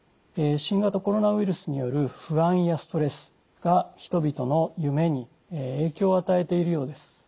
新型コロナウイルスによる不安やストレスが人々の夢に影響を与えているようです。